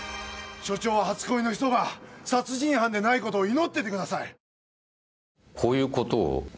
署長は初恋の人が殺人犯でないことを祈っててください。